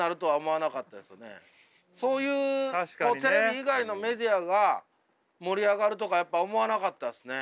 そういうテレビ以外のメディアが盛り上がるとかやっぱ思わなかったですね。